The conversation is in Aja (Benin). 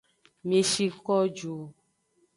Mi shi ko ju.